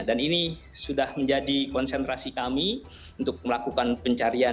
dan ini sudah menjadi konsentrasi kami untuk melakukan pencarian